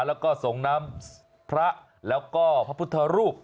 แล้วก็ส่งน้ำพระแล้วก็พระพุทธรูป